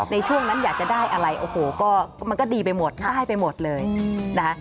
ในช่วงนั้นอยากจะได้อะไรโอ้โหก็มันก็ดีไปหมดได้ไปหมดเลยนะคะ